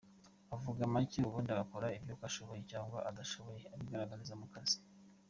Avuga make ubundi agakora, iby’uko ashoboye cyangwa adashoboye abigaragariza mu kazi.